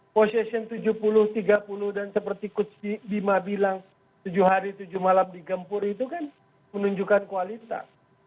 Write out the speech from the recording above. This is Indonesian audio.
position tujuh puluh tiga puluh dan seperti coach bima bilang tujuh hari tujuh malam digempur itu kan menunjukkan kualitas